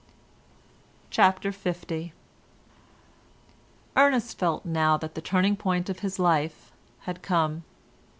CHAPTER L Ernest felt now that the turning point of his life had come.